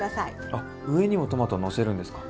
あ上にもトマトをのせるんですか？